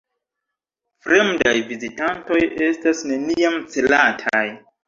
Fremdaj vizitantoj estas neniam celataj.